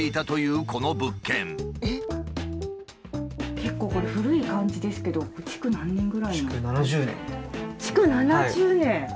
結構これ古い感じですけど築７０年！